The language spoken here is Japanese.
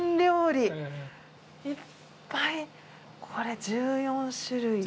これ１４種類。